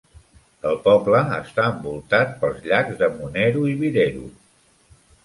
El poble està envoltat pels llacs de Muneru i Vireru.